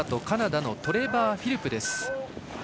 カナダのトレバー・フィルプ。